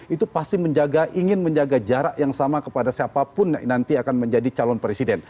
itu pasti menjaga ingin menjaga jarak yang sama kepada siapapun nanti akan menjadi calon presiden